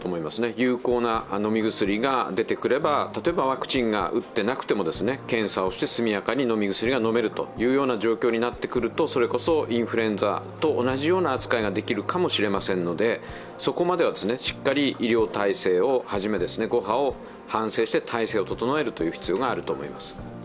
有効な飲み薬が出てくれば例えばワクチンを打ってなくても検査をして速やかに飲み薬が飲めるという状況になってくるとそれこそインフルエンザと同じような扱いができるかもしれませんので、そこまではしっかり医療体制を初め、５波を反省して体制を整える必要があると思います。